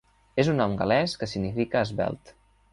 És un nom gal·lès que significa esvelt.